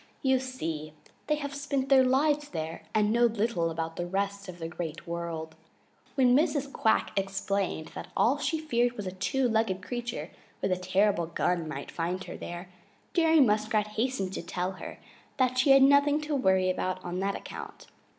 You see, they have spent their lives there and know little about the rest of the Great World. When Mrs. Quack explained that all she feared was that a two legged creature with a terrible gun might find her there, Jerry Muskrat hastened to tell her that she had nothing to worry about on that account.